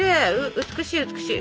美しい美しい。